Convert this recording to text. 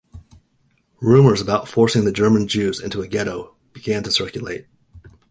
Rumors about forcing the German Jews into a ghetto began to circulate.